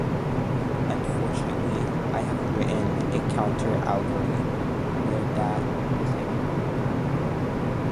Unfortunately, I have written a counter-allegory where that doesn’t happen